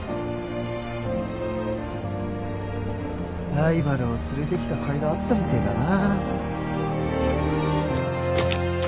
ライバルを連れてきたかいがあったみてえだな。